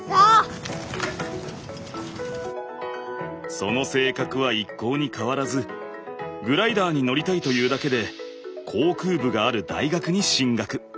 その性格は一向に変わらずグライダーに乗りたいというだけで航空部がある大学に進学。